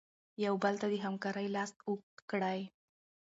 یو بل ته د همکارۍ لاس اوږد کړئ.